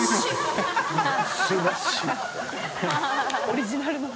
オリジナルの。